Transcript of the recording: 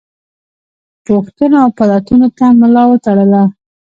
پوښتنو او پلټنو ته ملا وتړله.